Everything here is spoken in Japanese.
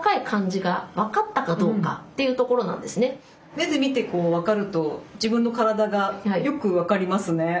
目で見てこう分かると自分の体がよく分かりますね。